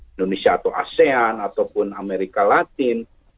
indonesia atau asean ataupun amerika latin